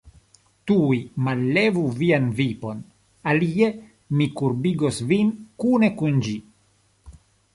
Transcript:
Tuj mallevu vian vipon, alie mi kurbigos vin kune kun ĝi!